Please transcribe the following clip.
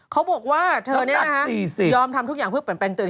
เขาบอกว่าเธอนี้นะฮะยอมทำทุกอย่างเพื่อเป็นเป็นตัวเอง